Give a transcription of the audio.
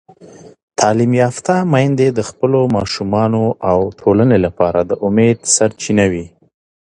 تعلیم یافته میندې د خپلو ماشومانو او ټولنې لپاره د امید سرچینه وي.